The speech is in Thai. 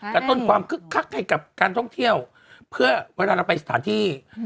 กระตุ้นความคึกคักให้กับการท่องเที่ยวเพื่อเวลาเราไปสถานที่